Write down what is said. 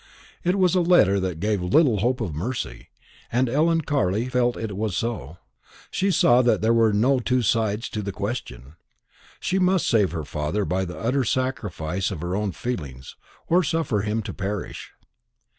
It was a letter that gave little hope of mercy, and Ellen Carley felt that it was so. She saw that there were no two sides to the question: she must save her father by the utter sacrifice of her own feelings, or suffer him to perish.